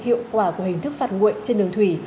hiệu quả của hình thức phạt nguội trên đường thủy